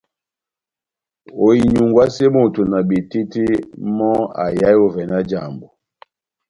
Oinyungwase moto na betete mò aihae ovè nájàmbo.